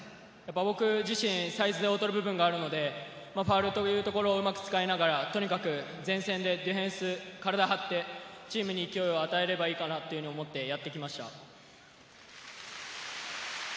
僕自身、サイズで劣る部分があるので、ファウルというところをうまく使いながら、とにかく前線でディフェンス、体張ってチームに勢いを与えればいいかなと思ってやってきました。